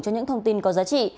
cho những thông tin có giá trị